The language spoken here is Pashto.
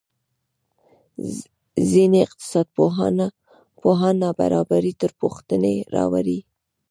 ځینې اقتصادپوهان نابرابري تر پوښتنې راولي.